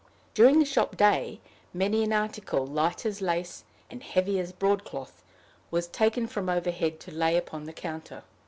During the shop day, many an article, light as lace, and heavy as broadcloth, was taken from overhead to lay upon the counter.